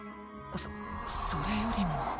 そそれよりも。